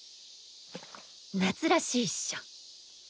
夏らしいっしょ？